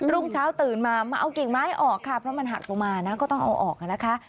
รุ่งเช้าตื่นมามาเอากิ่งไม้ออกค่ะเพราะมันหักลงมานะก็ต้องเอาออกนะคะ